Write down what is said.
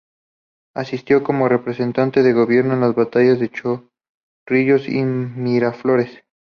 Asistió como representante del gobierno a las batallas de Chorrillos y Miraflores.